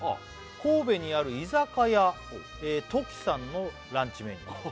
神戸にある居酒屋ＴＯＫＩさんのランチメニュー